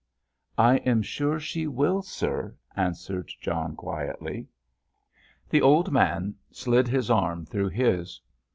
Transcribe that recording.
"I am sure she will, sir," answered John quietly. The old man slid his arm through his.